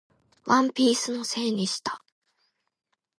ワンピースのせいにした